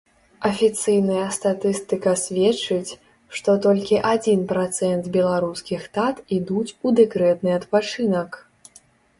Афіцыйная статыстыка сведчыць, што толькі адзін працэнт беларускіх тат ідуць у дэкрэтны адпачынак.